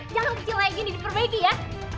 jangan kecil kayak gini diperbaiki ya